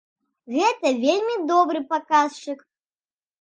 Гэта вельмі добры паказчык.